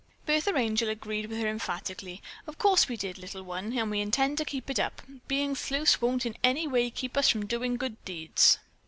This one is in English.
Bertha Angel agreed with her emphatically: "Of course we did, little one, and we intend to keep it up. Being sleuths won't in any way keep us from doing good deeds."